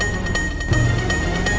itu ibu kenapa